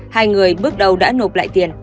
trước đầu đã nộp lại tiền